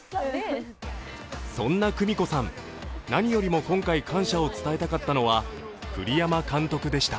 そんな久美子さん、何よりも今回感謝を伝えたかったのは栗山監督でした。